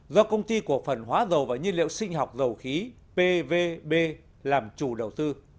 do công ty cổ phần hóa dầu và nhiên liệu sinh học dầu khí pvb làm chủ đầu tư